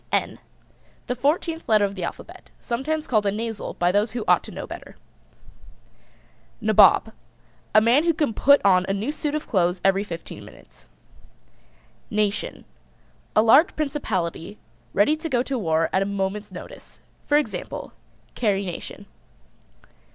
### N: The fourteenth letter of the alphabet, sometimes called a nasal by those who ought to know better. ###NABOB. A man who can put on a new suit of clothes every fifteen minutes. NATION. A large principality ready to go to war at a moment's notice. For example: Carrie Nation.